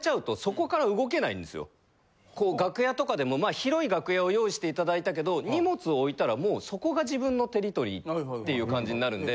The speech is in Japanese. こう楽屋とかでも広い楽屋を用意していただいたけど荷物を置いたらもうそこが自分のテリトリーっていう感じになるんで。